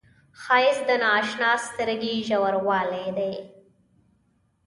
ښایست د نااشنا سترګو ژوروالی دی